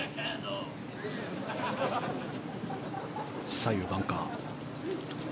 左右バンカー。